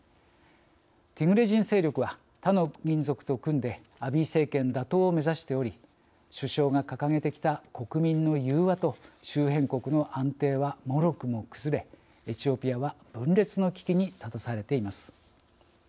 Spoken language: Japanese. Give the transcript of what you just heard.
ティグレ人勢力は他の民族と組んでアビー政権打倒を目指しており首相が掲げてきた国民の融和と周辺国の安定はもろくも崩れエチオピアは分裂の危機に立たされています。